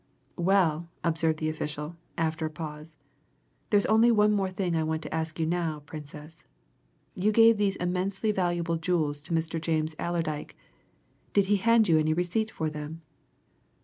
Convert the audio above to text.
"Well," observed the official, after a pause, "there's only one thing more I want to ask you just now, Princess. You gave these immensely valuable jewels to Mr. James Allerdyke? Did he hand you any receipt for them?"